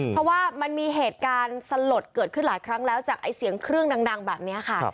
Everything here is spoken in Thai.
เพราะว่ามันมีเหตุการณ์สลดเกิดขึ้นหลายครั้งแล้วจากไอ้เสียงเครื่องดังแบบนี้ค่ะ